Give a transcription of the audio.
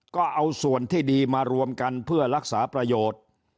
ก็เอาส่วนที่ดีมารวมกันเพื่อรักษาประโยชน์